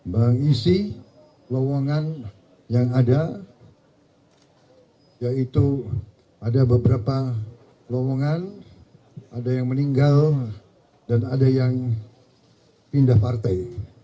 mengisi lowongan yang ada yaitu ada beberapa lowongan ada yang meninggal dan ada yang pindah partai